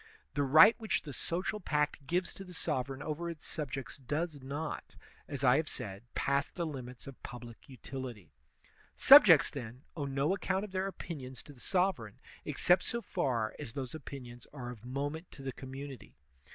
The right which the social pact gives to the sovereign over its subjects does not, as I have said, pass the limits of public utility.* Subjects, then, owe no account of their opinions to the sovereign except so far as those opinions are of moment to the community.